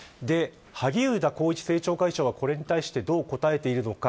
萩生田光一政調会長はこれに対してどう答えているのか。